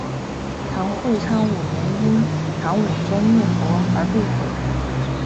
唐会昌五年因唐武宗灭佛而被毁。